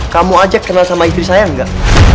kamu aja kenal sama istri saya enggak